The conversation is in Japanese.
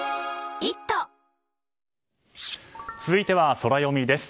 続いては、ソラよみです。